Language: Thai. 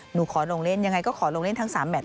หนูขอลงเล่นยังไงก็ขอลงเล่นทั้ง๓แท็